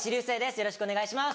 よろしくお願いします。